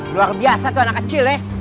luar biasa tuh anak kecil ya